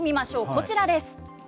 こちらです。